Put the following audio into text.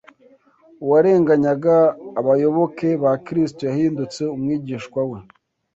Uwarenganyaga abayoboke ba Kristo yahindutse umwigishwa we,